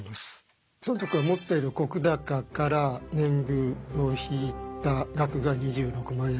尊徳が持っている石高から年貢を引いた額が２６万円ぐらい。